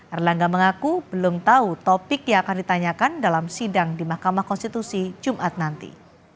erlangga mengaku belum tahu topik yang akan ditanyakan dalam sidang di mahkamah konstitusi jumat nanti